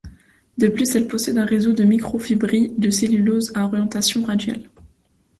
De plus elles possèdent un réseau de microfibrilles de cellulose à orientation radiale.